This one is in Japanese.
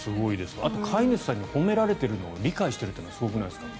飼い主さんに褒められているのを理解しているというのがすごくないですか？